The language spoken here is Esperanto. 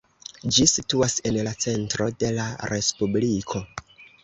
Ĝi situas en la centro de la respubliko.